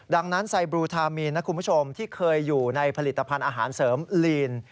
ดังนั้นไซบลูทามีนนะคุณผู้ชมที่เคยอยู่ในผลิตภัณฑ์อาหารเสริมลีน